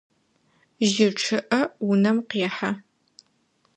Жьы чъыӏэ унэм къехьэ.